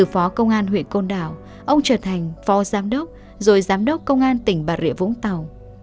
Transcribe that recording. bởi vì phó công an huyện côn đảo ông trở thành phô giám đốc rồi giám đốc công an tỉnh bà detach